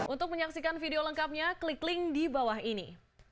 untuk menyaksikan video lengkapnya klik link di bawah ini